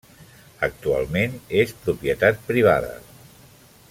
Actualment és propietat privada.